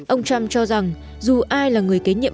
ông trump cho rằng dù ai là người kế nhiệm